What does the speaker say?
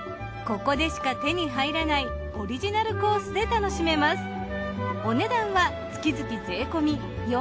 ここでしか手に入らないオリジナルコースで楽しめます。